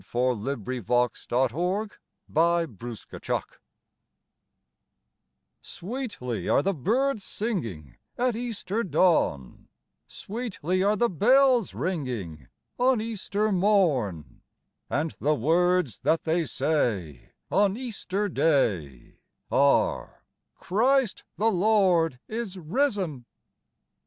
tfje time of tj)e sjfttflfnjj of ijfrtis fjas come/' Sweetly are the birds singing At Easter dawn ; Sweetly are the bells ringing On Easter morn • And the words that they say On Easter Day Are, Christ the Lord is risen